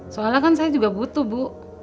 soalnya kan saya juga butuh bu